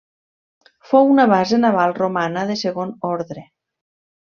Fou una base naval romana de segon ordre.